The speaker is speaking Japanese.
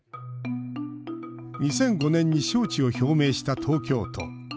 ２００５年に招致を表明した東京都。